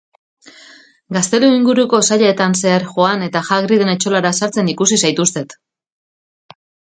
Gaztelu inguruko sailetan zehar joan eta Hagriden etxolara sartzen ikusi zaituztet.